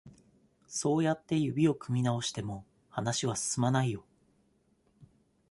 そうやって指を組み直しても、話は進まないよ。